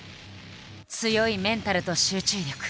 強いメンタルと集中力。